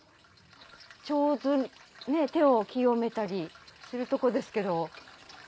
手水手を清めたりするとこですけど。